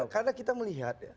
karena kita melihat